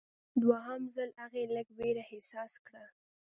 دوهم ځل هغې لږ ویره احساس کړه.